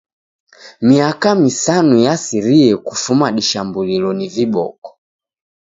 Miaka misanu yasirie kufuma dishambulilo ni viboko.